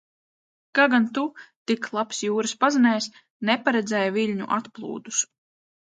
Kā gan tu, tik labs jūras pazinējs, neparedzēji viļņu atplūdus?